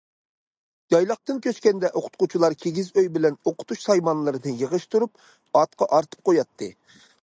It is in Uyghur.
يايلاقتىن كۆچكەندە، ئوقۇتقۇچىلار كىگىز ئۆي بىلەن ئوقۇتۇش سايمانلىرىنى يىغىشتۇرۇپ ئاتقا ئارتىپ قوياتتى.